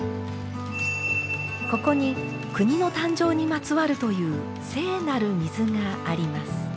ここに国の誕生にまつわるという聖なる水があります。